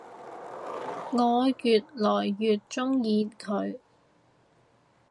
我愈來愈鍾意佢